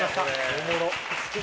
おもろ。